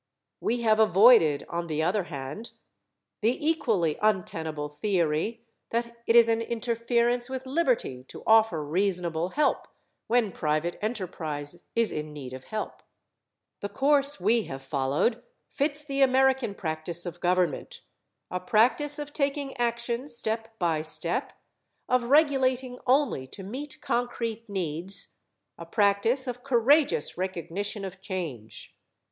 We have avoided on the other hand the equally untenable theory that it is an interference with liberty to offer reasonable help when private enterprise is in need of help. The course we have followed fits the American practice of government a practice of taking action step by step, of regulating only to meet concrete needs a practice of courageous recognition of change.